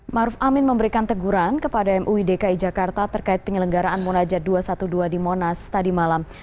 maruf amin memberikan teguran kepada mui dki jakarta terkait penyelenggaraan munajat dua ratus dua belas di monas tadi malam